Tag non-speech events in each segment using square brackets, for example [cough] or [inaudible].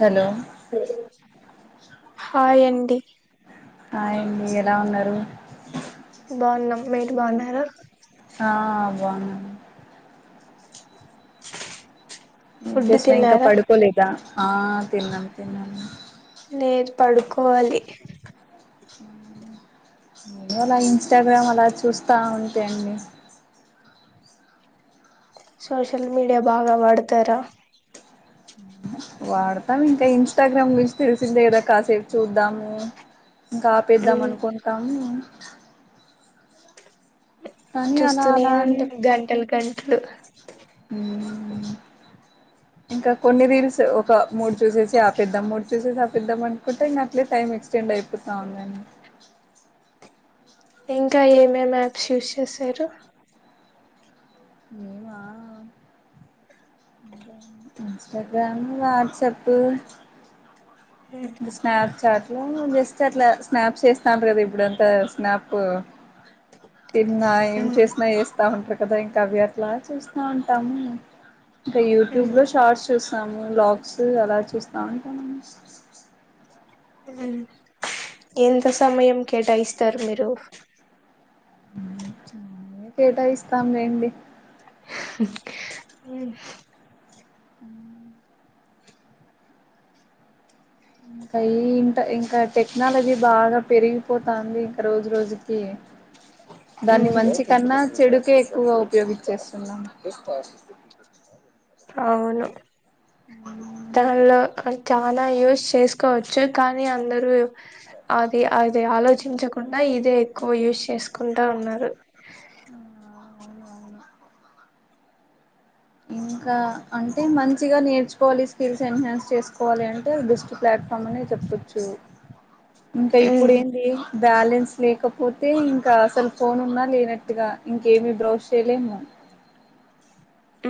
Hello హాయండి hi అండి ఎలా ఉన్నారు బావున్నాం మీరు బావున్నార బాగున్నాం ఫుడ్ ఎంచేస్తున్నావ్ ఇంకా తిన్నారా పడుకోలేదా ఆ తిన్నాం తిన్నాం లేద్ పడుకోవాలి అలా ఇంస్టాగ్రామ్ అలా చూస్తా ఉంటా అండి సోషల్ మీడియా బాగా వాడతారా వాడతాం ఇంకా ఇన్స్టాగ్రామ్ గురించి తెలిసిందే కదా కాసేపు చూద్దము ఇంకా ఆపేద్దాం మ్మ్ అనుకుంటాం ఊమ్ అలా చూస్తూనే అలా అని ఉంటది గంటలు గంటలు మ్మ్ ఇంకా కొన్ని రీల్స్ ఒక మూడు చూసేసి ఆపేద్దాం మూడు చూసేసి ఆపేద్దాం అనుకుంటే ఇంకా అట్లే టైం ఎక్స్టెండ్ అయిపోతా ఉదండి ఇంకా ఏమేమి యాప్స్ యూస్ చేసారు నేనా ఇన్స్టాగ్రామ్ వాట్సపు మ్మ్, స్నాప్ చాట్లో జస్ట్ అట్ల స్నాప్ ఎస్తంటారు కదా ఇప్పుడంత స్నాప్ తిన్న మ్మ్, ఎంచేస్తూన్న ఏస్తా ఉంటాము ఇంకా అవి అట్ల చూస్తాఉంటాము ఇంకా మ్మ్, యూట్యూబ్లో షార్ట్స్ చూస్తాము వ్లాగ్స్ అలా చూస్త ఉంటాము మ్మ్. ఎంత సమయం కేటాయిస్తారు మీరు కేటా ఇస్తాంలేండి మ్మ్ ఇంకా ఈ ఇంట ఇంకా టెక్నాలజీ బాగా పెరిగిపోతాంది ఇంకా రోజు రోజుకి దాన్ని మ్మ్. మంచి కన్నా చెడుకే ఎక్కువగా ఉపయోగిచేస్తున్నాం అవును దానిలో అంటె చానా యూస్ చేస్ కోవచ్చు కానీ అందరూ అది అ అది ఆలోచించకుండా ఇదే ఎక్కువ యూస్ చేసుకుంటా ఉన్నారు అవునవును ఇంకా అంటే మంచిగా నేర్చు పోలీస్ స్కిల్స్ ఎన్హాన్స్ చేసు కోవాలి అంటే బెస్ట్ ప్లాట్ఫామ్ అని చెప్పొచ్చు ఇంకా ఇప్పుడు మ్మ్ ఏంది బ్యాలెన్స్ లేకపోతే ఇంకా అసలు ఫోన్ ఉన్నా లేనట్టుగా ఇంకేమి బ్రౌష్ చేయలేము.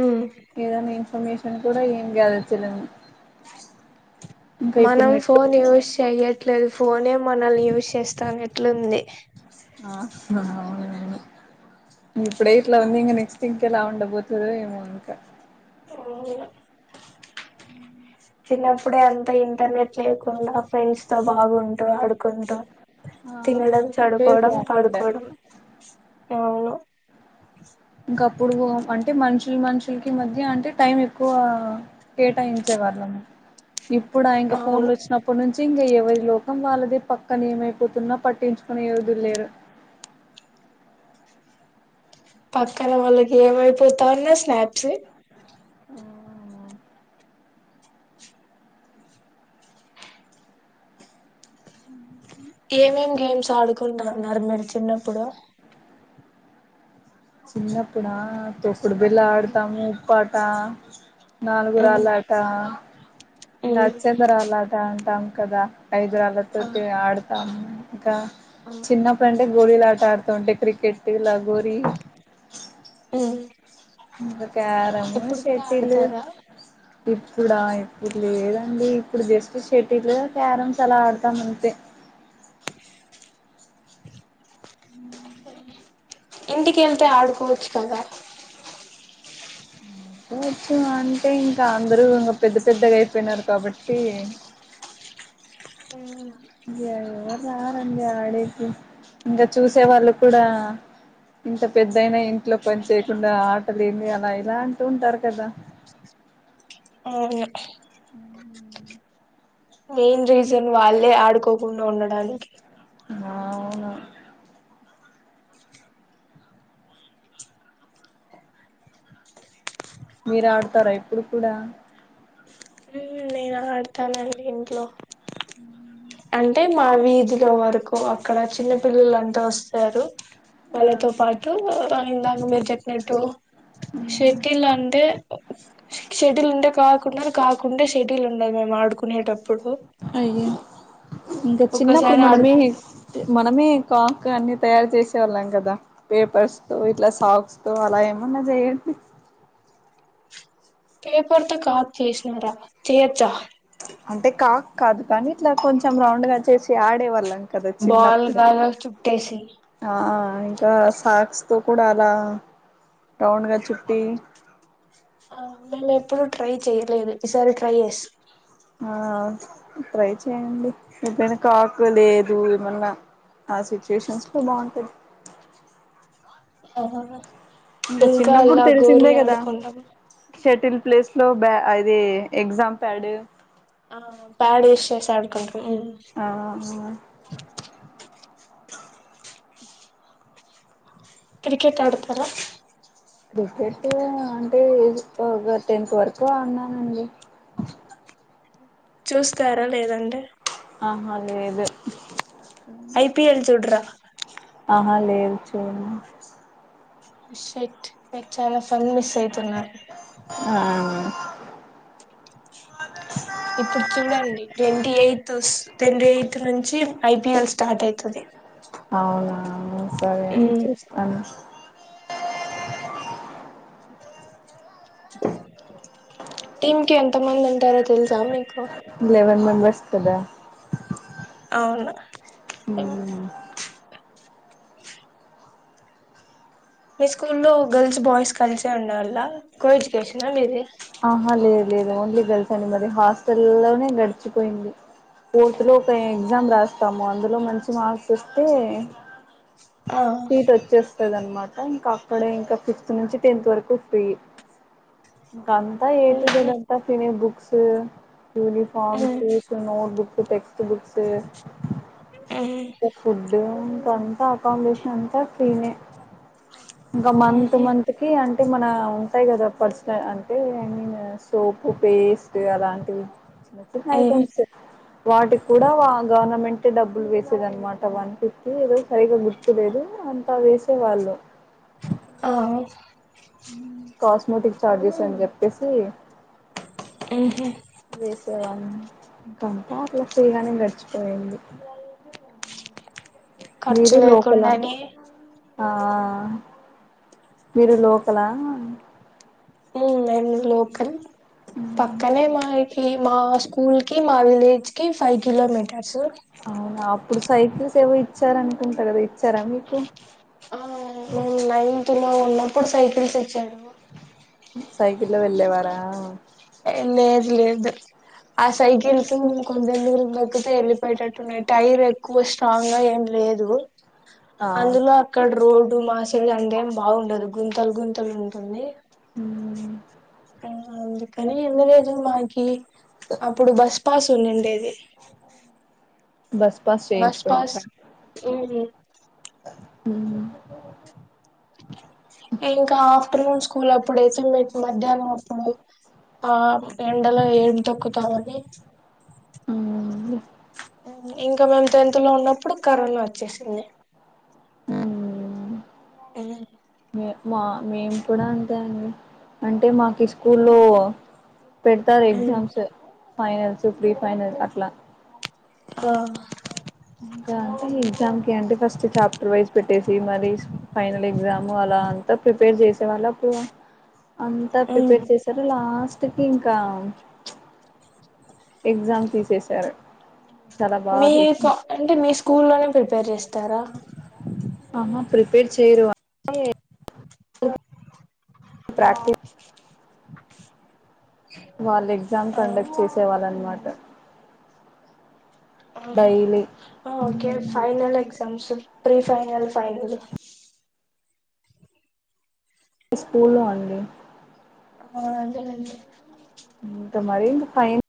మ్మ్ ఏదన్నీ పర్మిషన్ కూడా ఏం గెల్చలేం మనం నెట్ ఫోన్ యూజ్ చెయ్యట్లేదు ఫోనే మనల్ని యూజ్ చేస్తావున్నెట్లుంది ఆ ఇప్పుడే ఇట్ల ఉంది, ఇంకా నెక్స్ట్ ఇంకెలా ఉండ బోతుదో ఏమో ఇంకా, చిన్నప్పుడే అంతా ఇంటర్నెట్ లేకుండే ఫ్రెండ్స్ తో బాగుంటు ఆడుకుంటూ. ఆ తినడం ఇప్పుడే చదువుకోవడం బాగుండే పడుకోవడం ఇంకా అప్పుడు అం టే మనుషులు మనుషులకి మధ్య అంటే టైం ఎక్కువ కేటాయించే వాళ్లము ఇప్పుడు ఆ ఇంక అవును ఫోన్లు వచ్చినప్పుడు నుం [unintelligible] ఎవరి లోకం వాళ్ళదే పక్కన ఏమైపోతున్నా పట్టించుకునే యోధులేరు పక్కన వాళ్ళకి ఏమైపోతా ఉన్నా స్నాప్స్ ఏమేం గేమ్స్ ఆడుకుంటున్నారు మీరు చిన్నప్పుడు చిన్నప్పుడా తొక్కుడు బిళ్ళ ఆడతాము ఉప్పాట మ్మ్ నాలుగురాళ్ళాట ఇంగ మ్మ్ అచ్చేంద రాళ్ళ టాంటాం కదా [unintelligible] ఆ చెప్పి ఆడతాము ఇంకా ఆ చిన్నప్పుడు అంటే గోళీలు ఆట ఆడుతూ ఉంటే క్రికెట్ లగోరీ మ్మ్ ఒకా ప్రము ఇప్పుడు కూడా శేతిలు ఆడతారా ఇర్ ప్పుడ ఇప్పుడు లేదండి ఇప్పుడు జస్ట్ షటిలు క్యారమ్స్ అలా ఆడతామంతే ఉ ఇంటికి వెళ్తే ఆడుకోవచ్చు కదా [unintelligible] నా అంటే ఇంకా అందరూ ఇంకా పెద్ద పెద్దగా అయిపోయినారు కాబట్టి ఉ [unintelligible] యాడ్ ఇంగ ఆడేది ఇంకా చూసే వాళ్ళు కూడా ఇంత పెద్దయినా ఇంట్లో పని చేయకుండా ఆటలే ఏంది అలా ఇలా అంటూ ఉంటారు కదా అవును మెయిన్ రీజన్ వాళ్ళే ఆడుకోకుండా ఉండడానికి అవును మీరు ఆడుతార ఇప్పుడు కూడా ఆ అడుతలేదు ఇంట్లో ఉ అంటే మా వీధిలో వరకు అక్కడ చిన్న పిల్లలు అంతా వస్తారు వాళ్ళతో పాటు ఇందాక మీరు చెప్పినట్టు షటియల్ అంటే షటిల్ ఉంటే కాదు కున్నారుర్ కాకుండ సడ్ ఉ మే ఆడు కునేటప్పుడు అయ్యో ఇంకా చిన్నప్పుడు మనమే మనమే కాక్ అన్ని తయారు చేసేవాళ్ళం కదా పేపర్స్ తో ఇట్లా సాక్స్ తో అలా ఏమన్నా చేయండి పేపర్తో కాదు చేసినారా చేయొచ్చా అంటే కాక్ కాదు కానీ ఇట్లా కొంచెం రౌండ్ గా చేసి ఆడేవాళ్ళం కదా చిన్నప్పుడు బాల్గాల చుట్టేసి ఆ ఇంకా సాక్స్ తో కూడా అలా టౌన్గా చుట్టి ఆ అల ఎప్పుడుూ ట్రై చెయ్యలే ఈసారి ట్రై చేస్త ఆ ట్రై చేయండి ఏపోయినా కాక్ లేదు ఏమన్నా ఆ సిచ్యుయేషన్స్ లో బాగుంటాయి ఓహోహ ఇంకా చిన్నప్పుడు అలా గోరి తెలిసిందే కదా ఆడుకుండను షటిల్ ప్లేస్ లో బ అదది ఎగ్జామ్ ప్యాడ్ ఆ ప్యాడ్ విస్రేస్ ఆడ్కం హా క్రికెట్ ఆడతార క్రికెట్ అంటే టెన్క్ వరకు ఉన్నానండి చూస్తారా లేదండి ఆ అదేద ఐపిఎల్ చూడరా ఆ లేదు చూన్నా షట్ చాల పన్ మిస్ అయితున్నారు ఆ ఇప్పుడు చూడండి ట్వంటీ ఎయిత్ ట్వంటీ ఎయిత్ నుంచి ఐపీఎల్ స్టార్ట్ అయితుంది అవునా సరే అన్ క ఎంత మందిండి తర తెల్ సా మీకు బస్కద అవును హా మీ స్కూల్లో గర్ల్స్ బాయ్స్ కలిసే ఉండల్ళ కో ఎడ్యుకేషనా మీది ఆహా లేదు లేదు ఓన్లీ గల్ఫ అండి మరి హాస్టల్లోనే గడిచిపోయింది ఫోర్త్లో ఒక ఎగ్జామ్ రాస్తాము అందులో మంచి మార్క్స్ వస్తే ఆ సీట్ వచేస్ వస్తదన్మాట ఇంక అక్కడే ఇంక ఫిఫ్త్ నుంచి టెన్త్ వరకు ఫ్రీ. ఇంక అంతా ఏ టు ఉహు జెడ్ అంతా ఫ్రీనే books, uh uniforms, shoes, notebook, text books, ఇంక ఫుడ్ ఇంక అంతా అకామిడేషన్ అంతా ఫ్రీనే. ఇంక మంత్ ఉహు మంత్కి అంటే మన ఉంటాయి కదా పర్సనల్ అం టే ఐ మీన్ సోపు, పేస్ట్ అలాంటివి చిన్న చిన్న ఉహు ఉ ఐటమ్స్ వాటిక్కూడా గవర్నమెంట్ డబ్బులు వేసేదన్మాట వన్ ఫిఫ్టీ ఏదో సరిగ గుర్తు లేదు అంత వేసే వాళ్ళు. ఆ మ్మ్ కాస్మోటిక్ చార్జెస్ అని చెప్పేసి, హ్మ్ హు వేసేవాళ్ళు ఇంకంతా అట్ల ఫ్రీగానే గడిచిపోయింది. ఖర్చు మీరు లోకలా లేకుండానే ఆ ఆ ఆ మీరు లోకలా? ఉమ్ మేము లోకల్ పక్కనే మా ఇ కీ మా స్కూల్ కి మా విలేజ్ కి ఫైవ్ కిలోమీటర్స్ అవునా అప్పుడు సైకిల్సేవో ఇచ్చారనుకుంట గదా ఇచ్చార మీకు? ఆ నైన్త్ న ఉన్నం అప్పుడు సైకిల్స్ ఇచ్చాడు సైకిళ్లో వెళ్ళేవారా! ఏంలేదు లేదు ఆ సైకిల్స్ కొంచెం దూరం తొక్కితే వెళ్ళిపోయటట్టున్నాయి టైర్ ఎక్కువ స్ట్రాంగ్ గా ఏం లేదు. అవును అందులో అక్కడ రోడ్ డు మా క్చల్ గా అంతేం బాగుండదు గుంతలు గుంతలు ఉంటుంది. మ్మ్ ఆ అందుకని ఎన్ని రోజులు మాకి అప్పుడు బస్ పాస్ ఉండిండేది. బస్ పాస్ బస్ పాస్ మ్మ్ హ్మ్ ఇంకా ఆఫ్టర్నూన్ స్కూల్ అప్పుడైతే మీకు మధ్యాహ్నం అప్పుడు ఆ ఎండలో ఏం తోక్కుతం అనీ మ్మ్ ఇంక మేము టెన్త్ లో ఉన్నప్ ప్పుడు కరోనా వచ్చేసింది. ఉమ్, మె మా మేము కూడా అం తే అండి అంటే మాకు స్కూల్లో పెడతారు ఉమ్, ఎగ్జామ్స్ ఫైనల్స్, ప్రిఫినల్స్ అట్ల ఆ రివైజ్ పెట్ ట్టేసి మరి ఫైనల్ ఎగ్జామ్ అలా అంతా ప్రి పోయి చేసేవాళ్ళ అప్పుడు అంతా ప్రిపేర్ చేశారు లాస్ట్ చెప్పు ఇంకా ఎగ్జామ్ తీసేసారు మీక అంటే మీ స్కూ లోనే ప్రిపేర్ చేస్తరా ఆహా ప్రిపేర్ చేయరు గానీ ప్రాక్టీస్ వాలది ఎగ్జామ్ ఆ కండక్ట్ చేసే వాల్ అనమాట ఆహ daily okay final exams pre final, final స్కూలో అండి ఆ అదే లేండి ఇంక మరి ఇంకా ఫైన్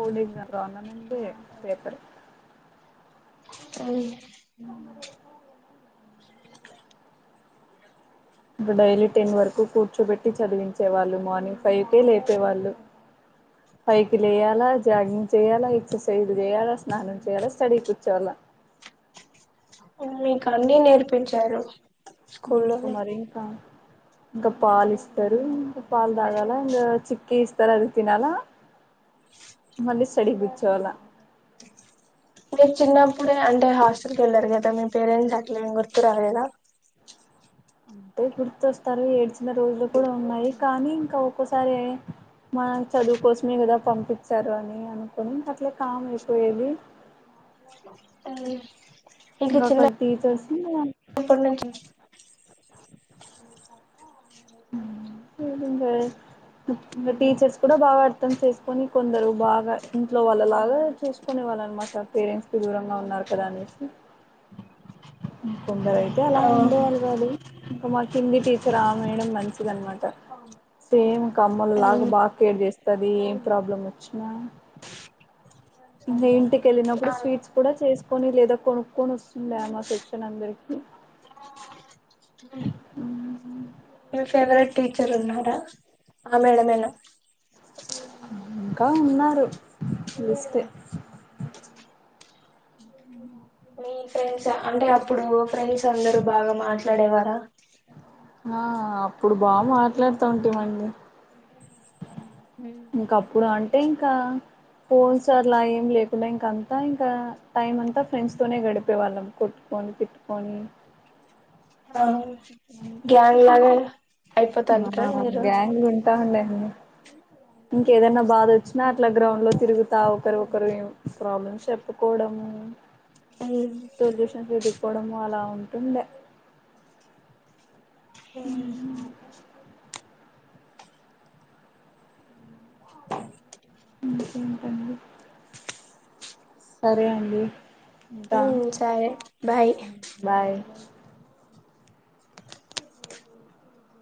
పోనీ ఇంగ గవర్నమెంట్ ఏ పేపర్ అవును ఇప్పుడు డైలీ టెన్ వరకు కూర్చోబెట్టి చదివించే వాళ్ళు మార్నింగ్ ఫైవ్ కేే లేపేవాళ్ళు ఫైవ్ కి లేయాలా జాగింగ్ చేయాలా ఎక్సర్సైజ్ చేయాలా స్నానం చేయాల స్టడీ కూర్చోవలా వీడ్కన్ని నేర్పించారు ఇంక స్కూల్లోనే మరింకా గపాల్ ఇస్తర్ లేద్ ఇంక పాల్ దాగాల ఇంగ చిక్కి ఇస్తారు ఆది తినాలా మళ్ళీ స్ స్టడీ కుచ్చోవాల అంటే చిన్నప్పుడే అంటే హాస్టల్ కి ఏళ్లారు కదా, మీ పేరెంట్స్ అట్లా ఏం గుర్తురాలేదా. అంటే గుర్తొస్తారు ఏడ్చిన రోజులు కూడా ఉన్నాయి. కానీ ఇంకా ఒక్కోసారి మన చదువు కోసమే కదా పంపించారు అని, అనుకొని ఇంక అట్లే కామ్ అయిపోయేది. గాక టీచర్స్ ఉండే గాన్ పోతుండే ఇంకా టీచర్స్ కూడా బాగా అర్థం చేసుకొని, కొందరు బాగా ఇంట్లో వాళ్ళలాగా చూసుకునే వాళ్ అనమాట, పేరెంట్స్ కి దూరంగా ఉన్నారు కదా అనేసి. ఇంకొందరై తే అలా ఆ ఉండేవాళ్ కాదు ఇంకా మాక్ హిందీ టీచర్ ఆ మేడం మంచిది అనమాట, సేమ్ ఇంకా అమ్మోల్ లాగా బాగా కేర్ చేస్తది ఏం ప్రాబ్లం వచ్చినా. ఇంగ ఇంటికి వెళ్ళినప్పుడు ఆ స్వీట్స్ కూడా చేసుకొని, లేదా కొనుక్కొని వస్తుండా మా సెక్షన్ అందరికి. మీ ఫేవరెట్ టీచర్ ఉన్నారా ఆ మేడమేనా హా ఇంకా ఉన్నారు లిస్ట్ మీ ఫ్రెండ్స్ అంటే అప్పుడు ఫ్రెండ్స్ అందరు బాగా మాట్లాడేవారా ఆ అప్పుడు బా మాట్లాడుతా ఉంటీవండి ఇంకా అప్పుడు అంటే ఇంకా ఫోన్స్ అర్లా ఏం లేకుండా ఇంక అంతా ఇంకా టైమ్ అంతా ఫ్రెండ్స్ తోనే గడిపే వాళ్ళం కొట్టుకొని, తిట్టుకొని, ఆ గ్యాంగ్ లాగా మన అయిపోతంటారా మీరు గ్యాంగ్ ఉంటా [unintelligible] ఇంకేదనా బాధ వచ్చినా అట్లా గ్రౌండ్ లో తిరుగుతా ఒకరు ఒకరు ప్రాబ్లమ్ చెప్పుకోవడము. ఉమ్ సొల్యూషన్ చూడు కోడము అలా ఉంటుంద మ్మ్ ఇంకేంటండి సరే అండి ఉంటా ఉహ్ సరే బాయ్ బాయ్